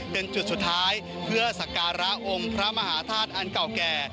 เป็นจุดสุดท้ายเพื่อสักการะองค์พระมหาธาตุอันเก่าแก่